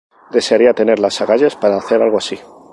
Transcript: Desearía tener las agallas para hacer algo así.